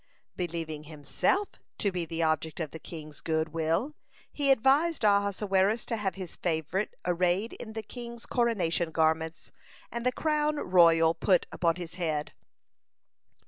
Believing himself to be the object of the king's good will, he advised Ahasuerus to have his favorite arrayed in the king's coronation garments, and the crown royal put upon his head.